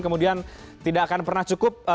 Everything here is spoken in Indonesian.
kemudian tidak akan pernah cukup